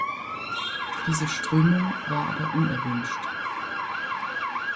Diese Strömung war aber unerwünscht.